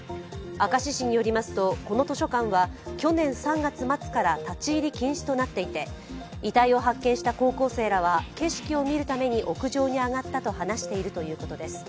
明石市によりますとこの図書館は去年３月末から立入禁止となっていて遺体を発見した高校生らは景色を見るために屋上に上がったと話しているということです。